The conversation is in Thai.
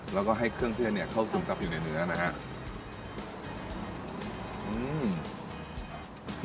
แล้วก็ให้เครื่องเทศเนี่ยเข้าซึมซับอยู่ในเนื้อนะครับ